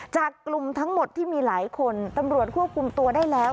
จากกลุ่มทั้งหมดที่มีหลายคนตำรวจควบคุมตัวได้แล้ว